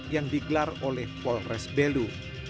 yang digelar oleh polres belu